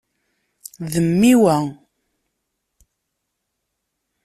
D mmi, wa.